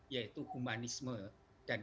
yaitu humanisme dan